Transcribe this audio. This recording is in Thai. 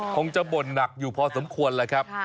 คงจะบ่นหนักอยู่พอสมควรแหละครับ